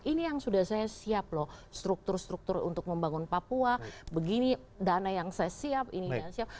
ini yang sudah saya siap loh struktur struktur untuk membangun papua begini dana yang saya siap ini yang siap